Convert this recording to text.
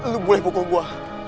lo boleh pukul gue